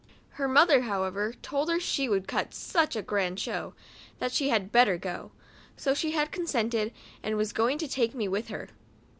Her mother, however, told her, she would cut such a grand show, that she had better go ; so she had consented, and was going to take me with her.